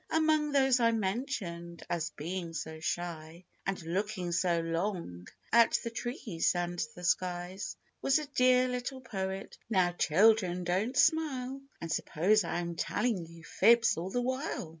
Among those I mentioned as being so shy, And looking so long at the trees and the sky, Was a dear little poet, blow, children, don't smile, And suppose I am telling you fibs all the while